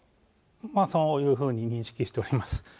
そういうふうに認識しております。